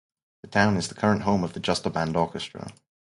The town is the current home of the Jostiband Orchestra.